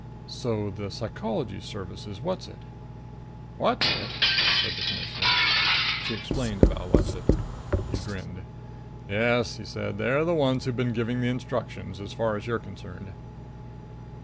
"So the Psychology Service is Whatzzit." "Whatzzit?" said the Commissioner. She explained about Whatzzit. He grinned. "Yes," he said. "They're the ones who've been giving the instructions, as far as you're concerned."